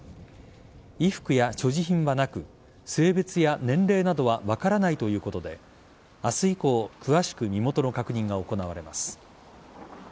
衣服や所持品はなく性別や年齢などは分からないということで明日以降詳しく身元の確認が行われます。